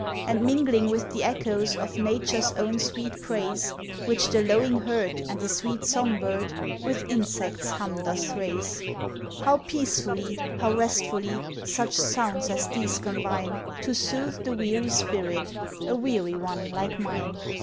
And mingling with the echoes Of nature's own sweet praise, Which the lowing herd, and the sweet song bird, With insects hum doth raise. How peacefully, how restfully, Such sounds as these combine To soothe the weary spirit, A weary one like mine.